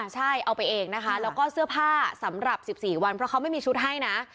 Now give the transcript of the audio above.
ใช่เอาไปเองนะคะแล้วก็เสื้อผ้าสำหรับ๑๔วันเพราะเขาไม่มีชุดให้นะ